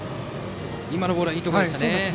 今のボールはいいところでしたね。